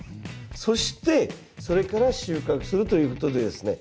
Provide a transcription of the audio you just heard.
そしてそれから収穫するということでですね